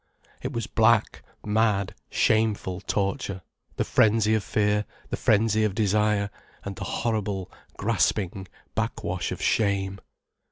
It was black, mad, shameful torture, the frenzy of fear, the frenzy of desire, and the horrible, grasping back wash of shame.